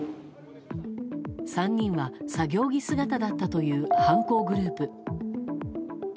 ３人は作業着姿だったという犯行グループ。